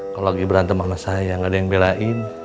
kalau lagi berantem sama saya gak ada yang belain